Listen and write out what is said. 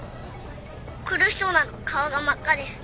☎苦しそうなの顔が真っ赤で。